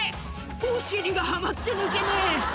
「お尻がはまって抜けねえ」